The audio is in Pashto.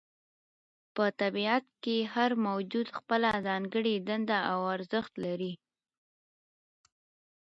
په طبیعت کې هر موجود خپله ځانګړې دنده او ارزښت لري.